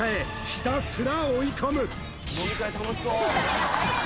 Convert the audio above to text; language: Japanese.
ひたすら追い込む！